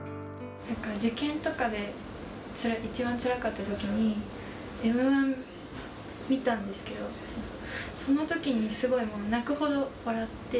受験とかで一番つらかったときに、Ｍー１見たんですけど、そのときに、すごいもう泣くほど笑って。